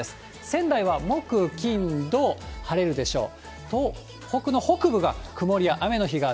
仙台は木、金、土、晴れるでしょう。